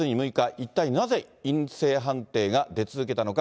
一体なぜ、陰性判定が出続けたのか。